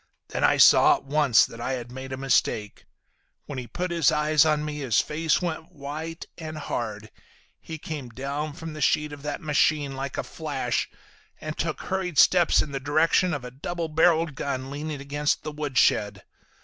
Then I saw, at once, that I had made a mistake. When he put his eyes on me his face went white and hard. He came down from the seat of that machine like a flash, and took hurried steps in the direction of a doublebarrelled gun leaning against the woodshed.